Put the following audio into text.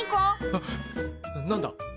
あっ何だ？